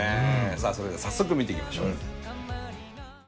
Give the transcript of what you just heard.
さあそれでは早速見ていきましょう！